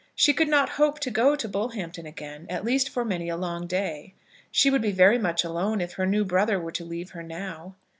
She could not hope to go to Bullhampton again, at least for many a long day. She would be very much alone if her new brother were to leave her now.